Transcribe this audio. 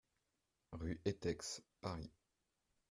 RUE ETEX, Paris